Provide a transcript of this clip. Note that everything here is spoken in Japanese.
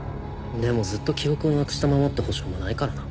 でもずっと記憶をなくしたままって保証もないからな。